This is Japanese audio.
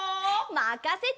まかせて！